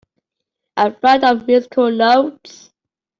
A flight of musical notes.